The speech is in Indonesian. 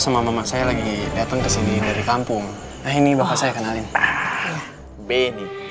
sama mama saya lagi datang ke sini dari kampung nah ini bahasa kenalin pak benny